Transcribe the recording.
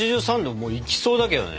もういきそうだけどね。